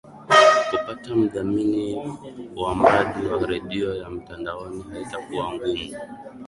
kupata mdhamini wa mradi wa redio ya mtandaoni haitakuwa ngumu